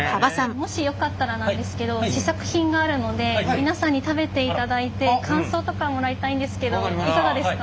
もしよかったらなんですけど試作品があるので皆さんに食べていただいて感想とかもらいたいんですけどいかがですか？